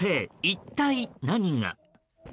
一体何が？